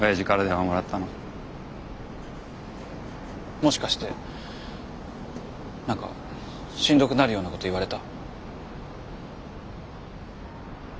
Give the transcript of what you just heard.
もしかして何かしんどくなるようなこと言われた？